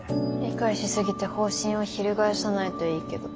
理解しすぎて方針を翻さないといいけど。